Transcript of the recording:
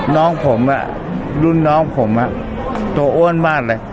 น้องผมรุ่นน้องผมตัวอ้วนมากเลย